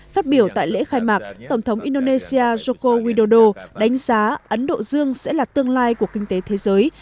phát biểu tại lễ khai mạc tổng thống indonesia joko widodo đánh giá ấn độ dương sẽ là tương lai của kinh tế thế giới